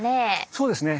そうですね。